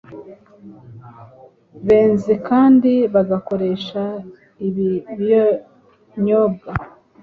benze kandi bagakoresha ibi binyobwa